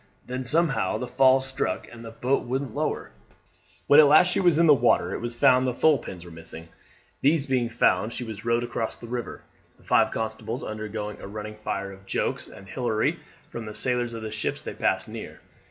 Then somehow the fall stuck and the boat wouldn't lower. When at last she was in the water it was found that the thole pins were missing; these being found she was rowed across the river, the five constables undergoing a running fire of jokes and hilarity from the sailors of the ships they passed near.